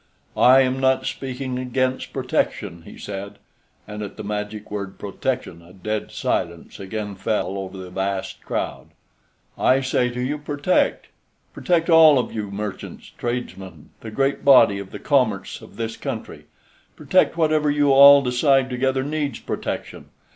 "I am not speaking against protection," he said, and at the magic word "protection" a dead silence again fell over the vast crowd. "I say to you, 'Protect!' Protect, all of you, merchants, tradesmen, the great body of the commerce of this country; protect whatever you all decide together needs protection.